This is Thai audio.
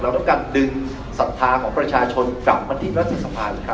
ต้องการดึงศรัทธาของประชาชนกลับมาที่รัฐสภานะครับ